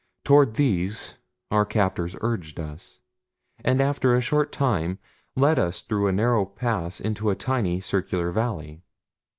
Toward these our captors urged us, and after a short time led us through a narrow pass into a tiny, circular valley.